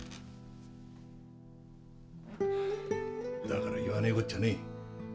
だから言わねえこっちゃねえ。